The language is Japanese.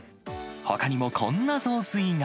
ほかにもこんな雑炊が。